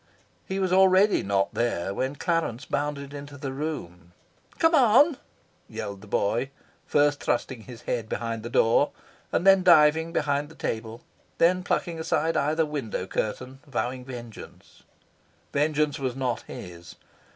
He was already not there when Clarence bounded into the room. "Come on!" yelled the boy, first thrusting his head behind the door, then diving beneath the table, then plucking aside either window curtain, vowing vengeance. Vengeance was not his.